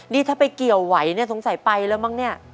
นี่ถ้าไปเกี่ยวไหวสงสัยไปแล้วมั้ง